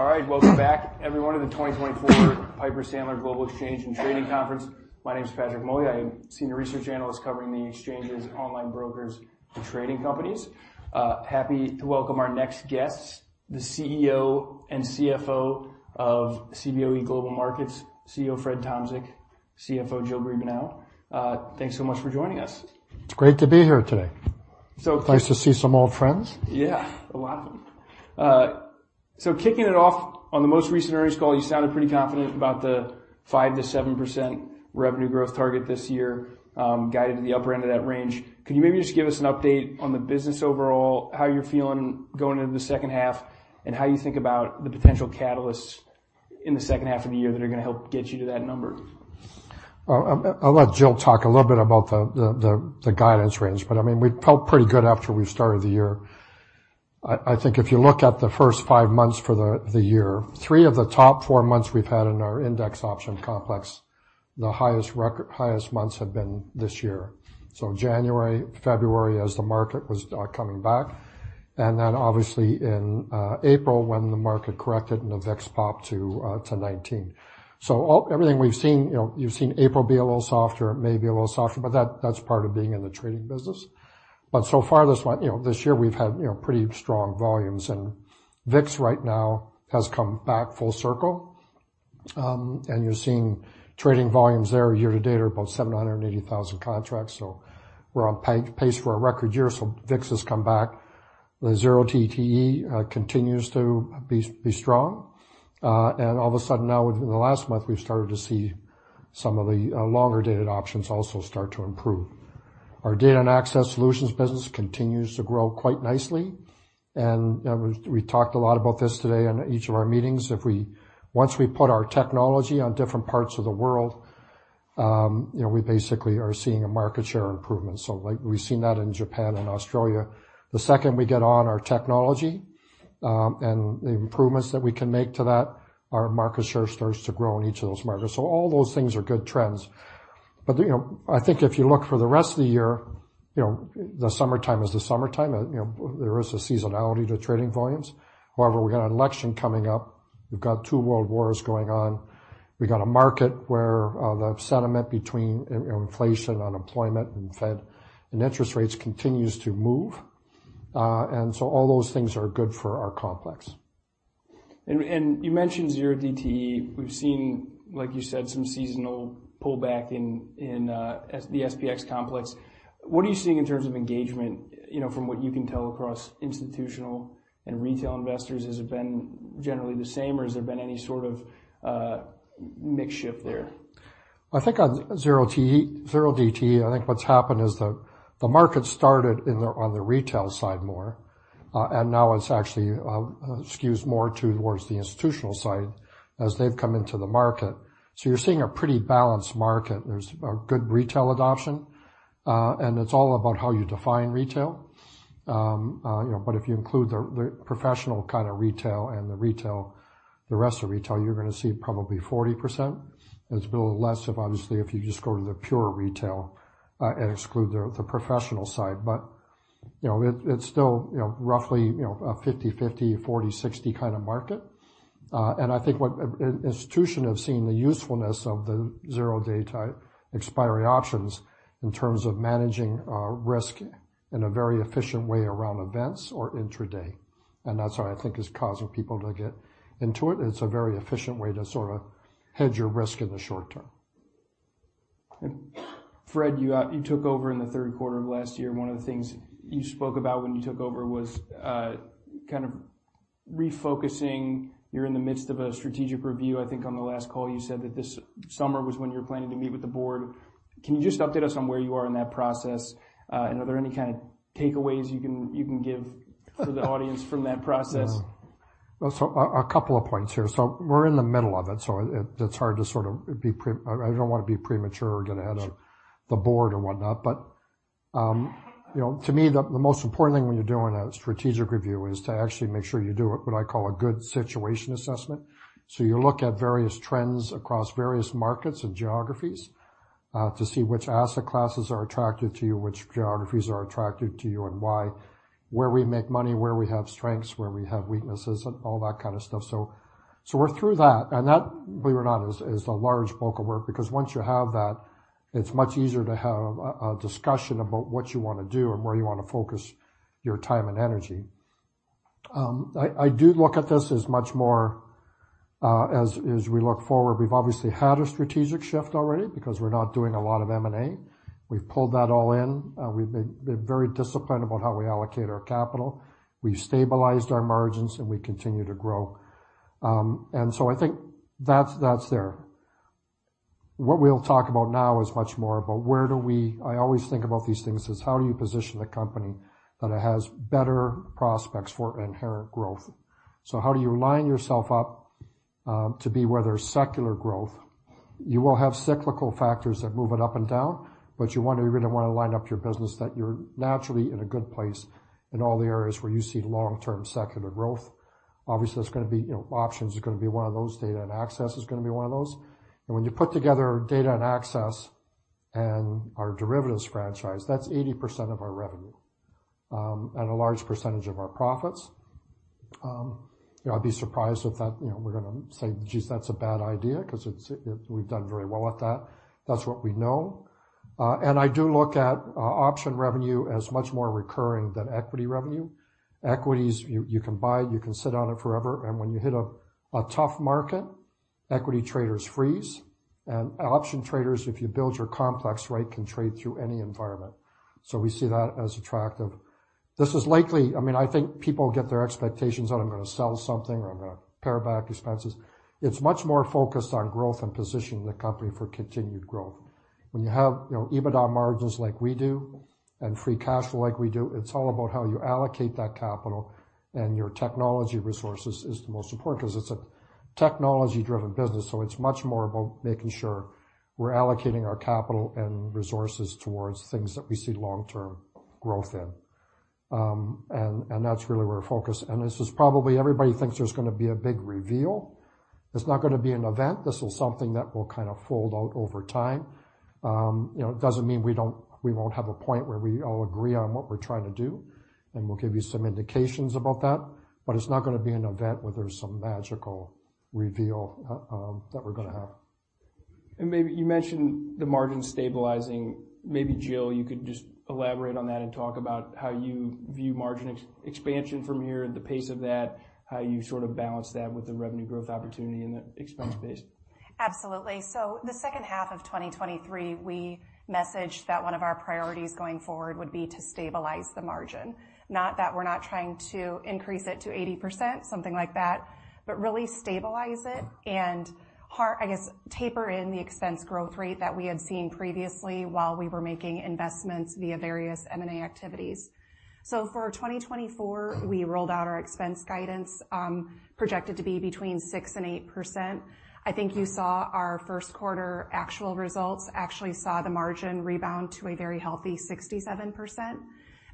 All right, welcome back, everyone, to the 2024 Piper Sandler Global Exchange and Trading Conference. My name is Patrick Moley. I am Senior Research Analyst covering the exchanges, online brokers, and trading companies. Happy to welcome our next guests, the CEO and CFO of Cboe Global Markets, CEO Fred Tomczyk, CFO Jill Griebenow. Thanks so much for joining us. It's great to be here today. So- Nice to see some old friends. Yeah, a lot of them. Kicking it off, on the most recent earnings call, you sounded pretty confident about the 5%-7% revenue growth target this year, guided to the upper end of that range. Can you maybe just give us an update on the business overall, how you're feeling going into the second half, and how you think about the potential catalysts in the second half of the year that are going to help get you to that number? Well, I'll let Jill talk a little bit about the guidance range, but I mean, we felt pretty good after we started the year. I think if you look at the first five months for the year, three of the top four months we've had in our index option complex, the highest months have been this year. So January, February, as the market was coming back, and then obviously in April, when the market corrected, and the VIX popped to 19. So all... Everything we've seen, you know, you've seen April be a little softer, it may be a little softer, but that's part of being in the trading business. But so far, this one, you know, this year, we've had, you know, pretty strong volumes, and VIX right now has come back full circle. And you're seeing trading volumes there year to date are about 780,000 contracts, so we're on pace for a record year, so VIX has come back. The 0DTE continues to be strong. And all of a sudden, now, in the last month, we've started to see some of the longer-dated options also start to improve. Our Data and Access Solutions business continues to grow quite nicely, and we talked a lot about this today in each of our meetings. Once we put our technology on different parts of the world, you know, we basically are seeing a market share improvement. So like we've seen that in Japan and Australia. The second we get on our technology, and the improvements that we can make to that, our market share starts to grow in each of those markets. So all those things are good trends. But, you know, I think if you look for the rest of the year, you know, the summertime is the summertime. You know, there is a seasonality to trading volumes. However, we've got an election coming up. We've got two world wars going on. We got a market where, the sentiment between inflation, unemployment, and Fed and interest rates continues to move. And so all those things are good for our complex. And you mentioned 0DTE. We've seen, like you said, some seasonal pullback in the SPX complex. What are you seeing in terms of engagement, you know, from what you can tell, across institutional and retail investors? Has it been generally the same, or has there been any sort of mix shift there? I think on 0DTE, I think what's happened is the market started on the retail side more, and now it's actually skews more towards the institutional side as they've come into the market. So you're seeing a pretty balanced market. There's a good retail adoption, and it's all about how you define retail. You know, but if you include the professional kind of retail and the retail the rest of retail, you're gonna see probably 40%. It's a little less of, obviously, if you just go to the pure retail, and exclude the professional side. But, you know, it's still, you know, roughly, you know, a 50/50, 40/60 kind of market. And I think what institutions have seen the usefulness of the 0DTE expiry options in terms of managing risk in a very efficient way around events or intraday, and that's what I think is causing people to get into it. It's a very efficient way to sort of hedge your risk in the short term. Fred, you, you took over in the third quarter of last year. One of the things you spoke about when you took over was, kind of refocusing. You're in the midst of a strategic review. I think on the last call, you said that this summer was when you're planning to meet with the board. Can you just update us on where you are in that process? Are there any kind of takeaways you can, you can give to the audience from that process? Well, so a couple of points here. So we're in the middle of it, so it's hard to sort of be premature. I don't want to be premature or get ahead of-... the board or whatnot. But, you know, to me, the most important thing when you're doing a strategic review is to actually make sure you do what I call a good situation assessment. So you look at various trends across various markets and geographies, to see which asset classes are attractive to you, which geographies are attractive to you, and why. Where we make money, where we have strengths, where we have weaknesses, and all that kind of stuff. So we're through that, and that, believe it or not, is a large bulk of work. Because once you have that, it's much easier to have a discussion about what you want to do and where you want to focus your time and energy. I do look at this as much more, as we look forward. We've obviously had a strategic shift already because we're not doing a lot of M&A. We've pulled that all in. We've been very disciplined about how we allocate our capital. We've stabilized our margins, and we continue to grow. And so I think that's there. What we'll talk about now is much more about where do we... I always think about these things as, how do you position a company that it has better prospects for inherent growth? So how do you line yourself up to be where there's secular growth? You will have cyclical factors that move it up and down, but you want to—you're gonna want to line up your business, that you're naturally in a good place in all the areas where you see long-term secular growth. Obviously, there's gonna be, you know, options are gonna be one of those, data and access is gonna be one of those. And when you put together data and access and our derivatives franchise, that's 80% of our revenue, and a large percentage of our profits. You know, I'd be surprised if that, you know, we're gonna say, "Geez, that's a bad idea," 'cause it's, it-- we've done very well with that. That's what we know. And I do look at option revenue as much more recurring than equity revenue. Equities, you, you can buy, you can sit on it forever, and when you hit a, a tough market, equity traders freeze, and option traders, if you build your complex right, can trade through any environment. So we see that as attractive. This is likely... I mean, I think people get their expectations that I'm gonna sell something or I'm gonna pare back expenses. It's much more focused on growth and positioning the company for continued growth. When you have, you know, EBITDA margins like we do, and free cash flow like we do, it's all about how you allocate that capital, and your technology resources is the most important 'cause it's a technology-driven business, so it's much more about making sure we're allocating our capital and resources towards things that we see long-term growth in. And that's really where we're focused, and this is probably everybody thinks there's gonna be a big reveal. It's not gonna be an event. This is something that will kind of fold out over time. You know, it doesn't mean we won't have a point where we all agree on what we're trying to do, and we'll give you some indications about that, but it's not gonna be an event where there's some magical reveal that we're gonna have. Maybe you mentioned the margin stabilizing. Maybe, Jill, you could just elaborate on that and talk about how you view margin expansion from here, the pace of that, how you sort of balance that with the revenue growth opportunity and the expense base. Absolutely. So the second half of 2023, we messaged that one of our priorities going forward would be to stabilize the margin. Not that we're not trying to increase it to 80%, something like that, but really stabilize it and taper in the expense growth rate that we had seen previously while we were making investments via various M&A activities. So for 2024, we rolled out our expense guidance, projected to be between 6% and 8%. I think you saw our first quarter actual results, actually saw the margin rebound to a very healthy 67%.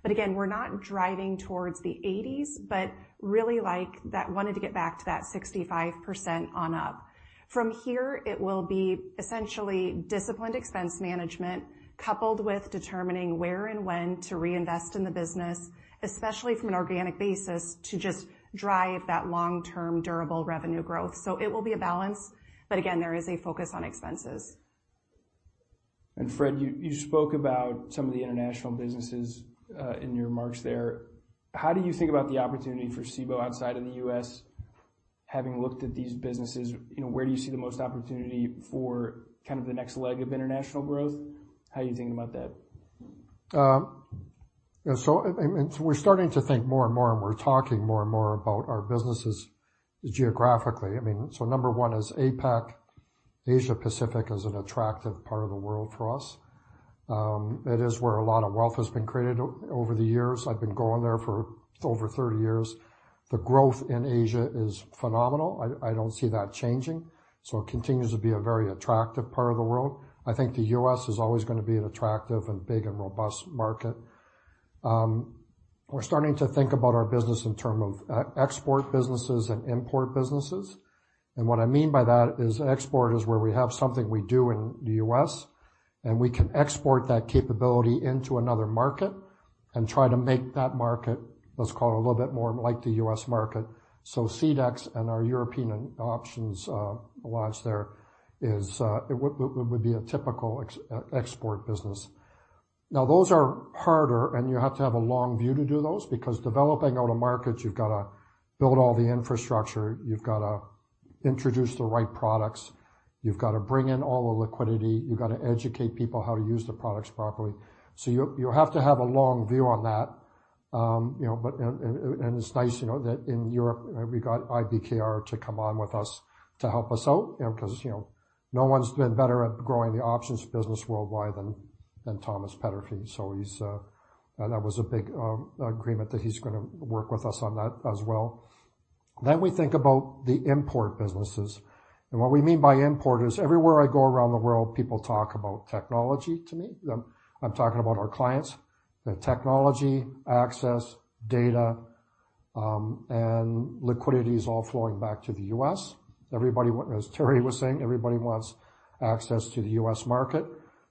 But again, we're not driving towards the 80s, but really like that, wanted to get back to that 65% on up. From here, it will be essentially disciplined expense management, coupled with determining where and when to reinvest in the business, especially from an organic basis, to just drive that long-term, durable revenue growth. So it will be a balance, but again, there is a focus on expenses. Fred, you, you spoke about some of the international businesses in your remarks there. How do you think about the opportunity for Cboe outside of the U.S., having looked at these businesses? You know, where do you see the most opportunity for kind of the next leg of international growth? How are you thinking about that? Yeah, so, I mean, so we're starting to think more and more, and we're talking more and more about our businesses geographically. I mean, so number one is APAC. Asia Pacific is an attractive part of the world for us. It is where a lot of wealth has been created over the years. I've been going there for over 30 years. The growth in Asia is phenomenal. I don't see that changing, so it continues to be a very attractive part of the world. I think the U.S. is always gonna be an attractive and big and robust market. We're starting to think about our business in terms of export businesses and import businesses. And what I mean by that is export is where we have something we do in the U.S., and we can export that capability into another market and try to make that market, let's call it, a little bit more like the U.S. market. So CEDX and our European options launch there is... It would be a typical export business. Now, those are harder, and you have to have a long view to do those, because developing out a market, you've got to build all the infrastructure, you've got to introduce the right products, you've got to bring in all the liquidity, you've got to educate people how to use the products properly. So you have to have a long view on that. You know, it's nice, you know, that in Europe, we got IBKR to come on with us to help us out, you know, because, you know, no one's been better at growing the options business worldwide than Thomas Peterffy. So he's... That was a big agreement that he's gonna work with us on that as well. Then we think about the import businesses, and what we mean by import is everywhere I go around the world, people talk about technology to me. I'm talking about our clients. The technology, access, data, and liquidity is all flowing back to the U.S. Everybody wants, as Terry was saying, everybody wants access to the U.S. market.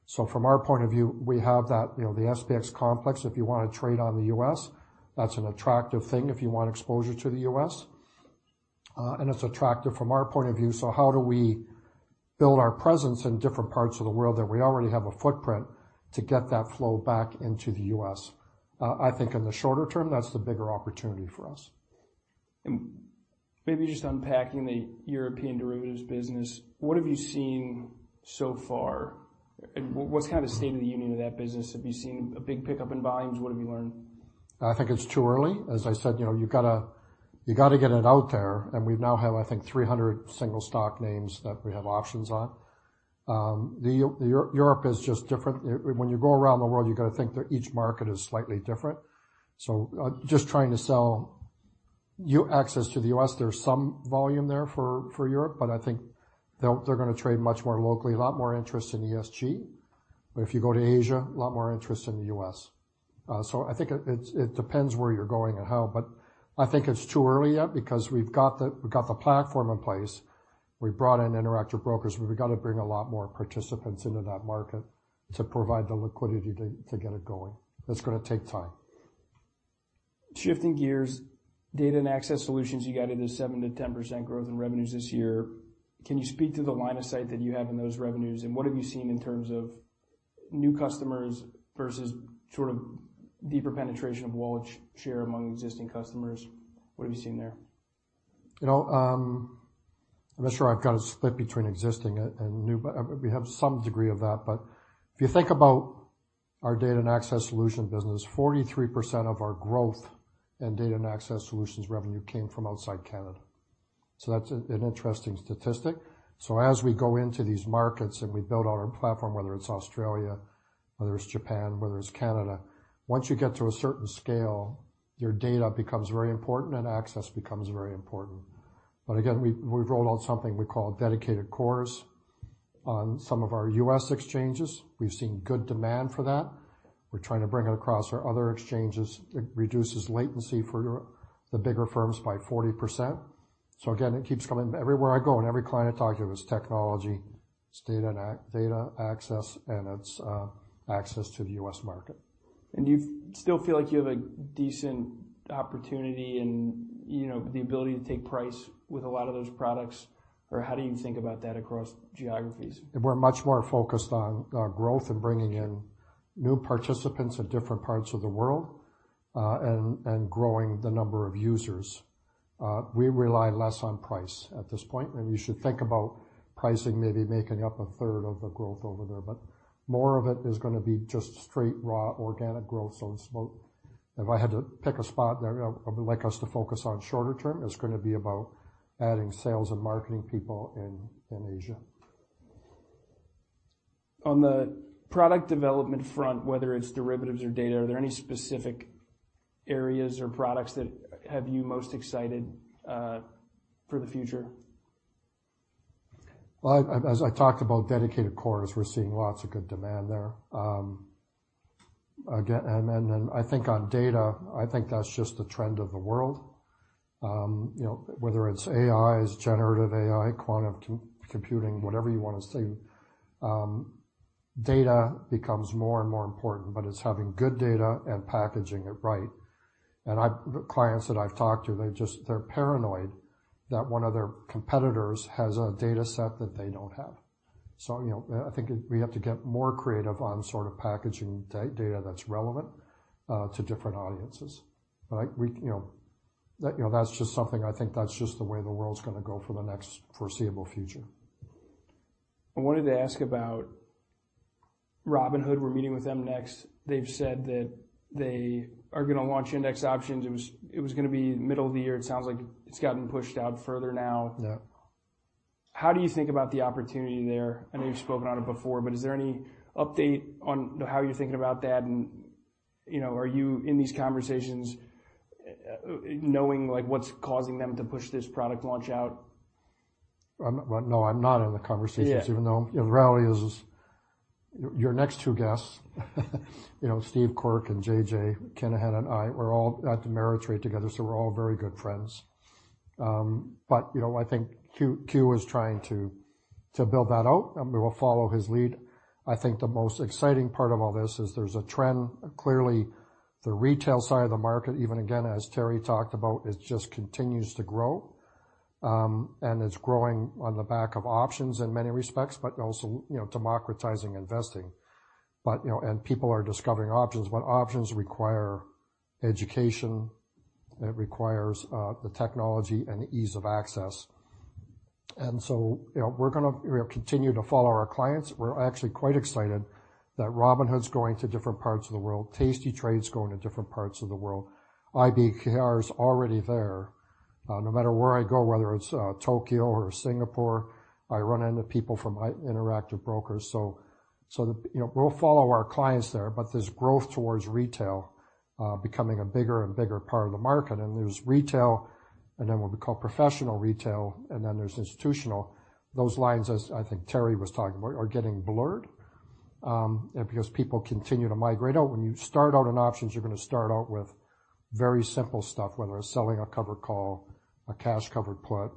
So from our point of view, we have that, you know, the SPX complex, if you want to trade on the U.S., that's an attractive thing if you want exposure to the U.S., and it's attractive from our point of view. So how do we build our presence in different parts of the world that we already have a footprint to get that flow back into the U.S.? I think in the shorter term, that's the bigger opportunity for us. Maybe just unpacking the European derivatives business, what have you seen so far? What's kind of state of the union of that business? Have you seen a big pickup in volumes? What have you learned? I think it's too early. As I said, you know, you've gotta, you've got to get it out there, and we now have, I think, 300 single stock names that we have options on. Europe is just different. When you go around the world, you've got to think that each market is slightly different. So, just trying to sell access to the US, there's some volume there for, for Europe, but I think they're gonna trade much more locally, a lot more interest in ESG. But if you go to Asia, a lot more interest in the US. So, I think it depends where you're going and how, but I think it's too early yet because we've got the, we've got the platform in place.... We brought in Interactive Brokers, but we've got to bring a lot more participants into that market to provide the liquidity to get it going. It's going to take time. Shifting gears, Data and Access Solutions, you guided to 7%-10% growth in revenues this year. Can you speak to the line of sight that you have in those revenues? What have you seen in terms of new customers versus sort of deeper penetration of wallet share among existing customers? What have you seen there? You know, I'm not sure I've got a split between existing and new, but we have some degree of that. But if you think about our Data and Access Solutions business, 43% of our growth and Data and Access Solutions revenue came from outside Canada. So that's an interesting statistic. So as we go into these markets and we build out our platform, whether it's Australia, whether it's Japan, whether it's Canada, once you get to a certain scale, your data becomes very important and access becomes very important. But again, we've rolled out something we call Dedicated Cores on some of our U.S. exchanges. We've seen good demand for that. We're trying to bring it across our other exchanges. It reduces latency for the bigger firms by 40%. So again, it keeps coming. Everywhere I go and every client I talk to, it's technology, it's data and data access, and it's access to the U.S. market. You still feel like you have a decent opportunity and, you know, the ability to take price with a lot of those products? Or how do you think about that across geographies? We're much more focused on growth and bringing in new participants in different parts of the world, and growing the number of users. We rely less on price at this point, and you should think about pricing maybe making up a third of the growth over there, but more of it is going to be just straight, raw, organic growth. So it's about... If I had to pick a spot there, I would like us to focus on shorter term, it's going to be about adding sales and marketing people in Asia. On the product development front, whether it's derivatives or data, are there any specific areas or products that have you most excited for the future? Well, as I talked about Dedicated Cores, we're seeing lots of good demand there. Again, and then, I think on data, I think that's just the trend of the world. You know, whether it's AI, it's generative AI, quantum computing, whatever you want to say, data becomes more and more important, but it's having good data and packaging it right. And the clients that I've talked to, they're paranoid that one of their competitors has a data set that they don't have. So, you know, I think we have to get more creative on sort of packaging data that's relevant to different audiences. But we, you know, that's just something I think that's just the way the world's going to go for the next foreseeable future. I wanted to ask about Robinhood. We're meeting with them next. They've said that they are going to launch index options. It was going to be middle of the year. It sounds like it's gotten pushed out further now. Yeah. How do you think about the opportunity there? I know you've spoken on it before, but is there any update on how you're thinking about that? And, you know, are you in these conversations, knowing, like, what's causing them to push this product launch out? Well, no, I'm not in the conversations- Yeah. Even though the reality is, your next two guests, you know, Steve Quirk and JJ Kinahan and I, we're all at TD Ameritrade together, so we're all very good friends. But, you know, I think Q is trying to build that out, and we will follow his lead. I think the most exciting part of all this is there's a trend. Clearly, the retail side of the market, even again, as Terry talked about, it just continues to grow, and it's growing on the back of options in many respects, but also, you know, democratizing investing. But, you know, and people are discovering options, but options require education, it requires the technology and ease of access. And so, you know, we're gonna continue to follow our clients. We're actually quite excited that Robinhood's going to different parts of the world. tastytrade's going to different parts of the world. IBKR is already there. No matter where I go, whether it's Tokyo or Singapore, I run into people from Interactive Brokers. So, you know, we'll follow our clients there, but there's growth towards retail becoming a bigger and bigger part of the market. And there's retail, and then what we call professional retail, and then there's institutional. Those lines, as I think Terry was talking about, are getting blurred, and because people continue to migrate out. When you start out in options, you're going to start out with very simple stuff, whether it's selling a covered call, a cash secured put,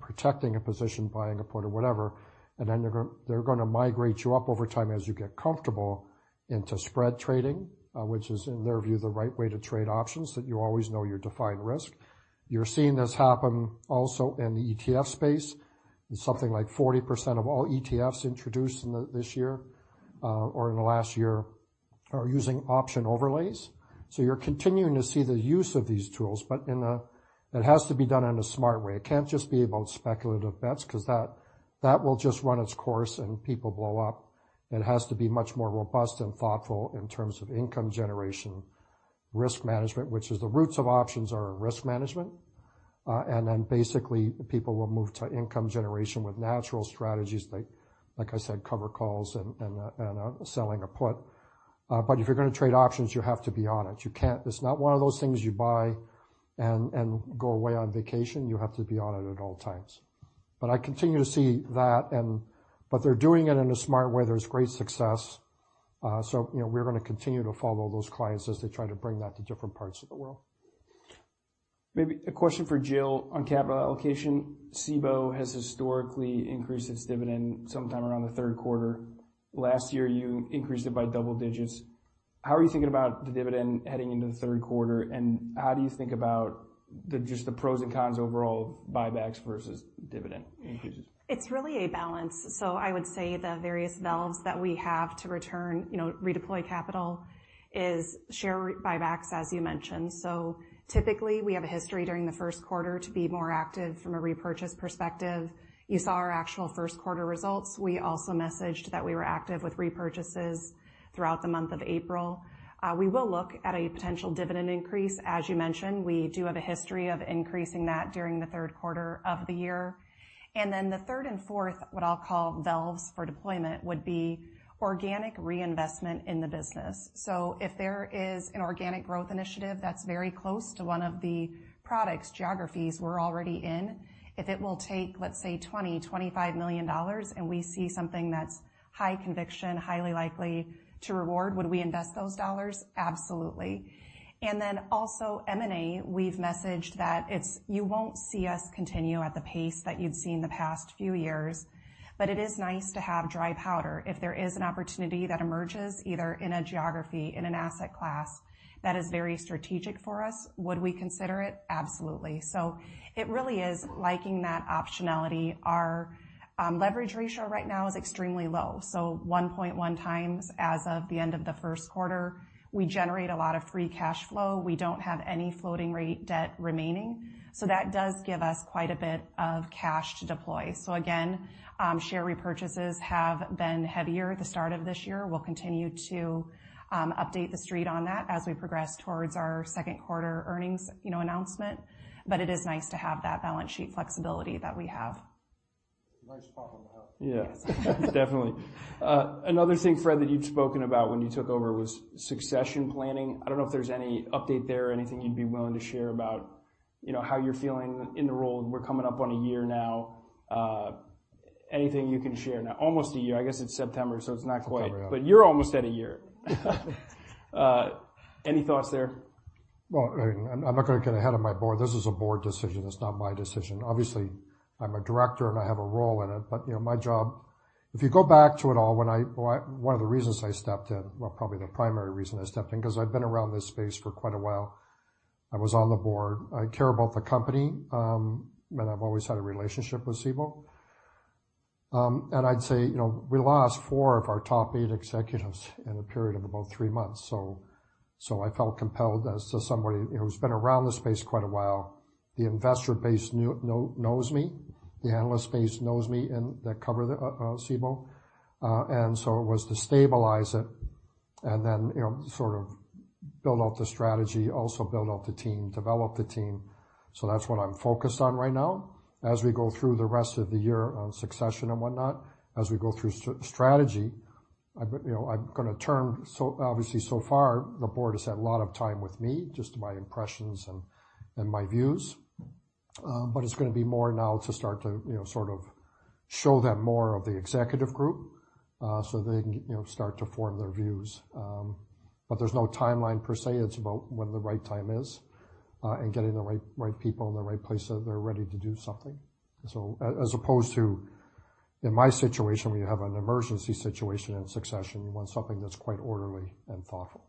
protecting a position, buying a put or whatever, and then they're gonna migrate you up over time as you get comfortable into spread trading, which is, in their view, the right way to trade options, that you always know your defined risk. You're seeing this happen also in the ETF space. Something like 40% of all ETFs introduced in this year or in the last year are using option overlays. So you're continuing to see the use of these tools, but it has to be done in a smart way. It can't just be about speculative bets, 'cause that, that will just run its course and people blow up. It has to be much more robust and thoughtful in terms of income generation, risk management, which is the roots of options are risk management. And then basically, people will move to income generation with natural strategies, like, like I said, covered calls and, and, and selling a put. But if you're going to trade options, you have to be on it. You can't— It's not one of those things you buy and, and go away on vacation. You have to be on it at all times. But I continue to see that, and— but they're doing it in a smart way. There's great success. So, you know, we're gonna continue to follow those clients as they try to bring that to different parts of the world. Maybe a question for Jill on capital allocation. Cboe has historically increased its dividend sometime around the third quarter. Last year, you increased it by double digits. How are you thinking about the dividend heading into the third quarter, and how do you think about just the pros and cons overall of buybacks versus dividend increases? It's really a balance. So I would say the various valves that we have to return, you know, redeploy capital, is share buybacks, as you mentioned. So typically, we have a history during the first quarter to be more active from a repurchase perspective. You saw our actual first quarter results. We also messaged that we were active with repurchases throughout the month of April. We will look at a potential dividend increase. As you mentioned, we do have a history of increasing that during the third quarter of the year. And then the third and fourth, what I'll call valves for deployment, would be organic reinvestment in the business. So if there is an organic growth initiative that's very close to one of the products, geographies we're already in, if it will take, let's say, $20-$25 million, and we see something that's high conviction, highly likely to reward, would we invest those dollars? Absolutely. And then also M&A, we've messaged that it's you won't see us continue at the pace that you'd seen the past few years, but it is nice to have dry powder. If there is an opportunity that emerges, either in a geography, in an asset class that is very strategic for us, would we consider it? Absolutely. So it really is liking that optionality. Our leverage ratio right now is extremely low, so 1.1 times as of the end of the first quarter. We generate a lot of free cash flow. We don't have any floating rate debt remaining, so that does give us quite a bit of cash to deploy. So again, share repurchases have been heavier at the start of this year. We'll continue to update the Street on that as we progress towards our second quarter earnings, you know, announcement, but it is nice to have that balance sheet flexibility that we have. Nice problem to have. Yeah. Definitely. Another thing, Fred, that you've spoken about when you took over was succession planning. I don't know if there's any update there or anything you'd be willing to share about, you know, how you're feeling in the role. We're coming up on a year now. Anything you can share now? Almost a year. I guess it's September, so it's not quite- September, yeah. But you're almost at a year. Any thoughts there? Well, I'm not gonna get ahead of my board. This is a board decision. It's not my decision. Obviously, I'm a director, and I have a role in it, but, you know, my job-- If you go back to it all, one of the reasons I stepped in, well, probably the primary reason I stepped in, 'cause I'd been around this space for quite a while, I was on the board. I care about the company, and I've always had a relationship with Cboe. And I'd say, you know, we lost 4 of our top 8 executives in a period of about 3 months, so I felt compelled as somebody who's been around this space quite a while. The investor base know, knows me, the analyst base knows me, and that covers the Cboe. And so it was to stabilize it and then, you know, sort of build out the strategy, also build out the team, develop the team. So that's what I'm focused on right now. As we go through the rest of the year on succession and whatnot, as we go through strategy, you know, I'm gonna turn. So obviously, so far, the board has had a lot of time with me, just my impressions and my views. But it's gonna be more now to start to, you know, sort of show them more of the executive group, so they can, you know, start to form their views. But there's no timeline per se. It's about when the right time is, and getting the right, right people in the right place, so they're ready to do something. So, as opposed to, in my situation, where you have an emergency situation and succession, you want something that's quite orderly and thoughtful.